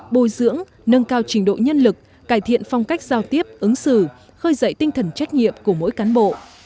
bồi dưỡng nâng cao trình độ nhân lực cải thiện phong cách giao tiếp ứng xử khơi dậy tinh thần trách nhiệm của mỗi cán bộ